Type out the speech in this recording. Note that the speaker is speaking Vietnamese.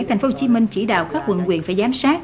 tp hcm chỉ đạo các quận quyện phải giám sát